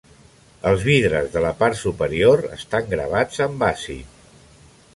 Els vidres de la part superior estan gravats amb àcid.